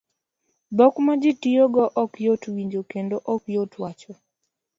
Dhok ma ji tiyo go ok yot winjo kendo ok yot wacho